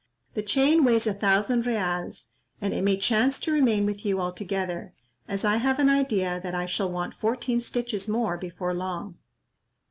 The chain weighs a thousand reals, and it may chance to remain with you altogether, as I have an idea that I shall want fourteen stitches more before long."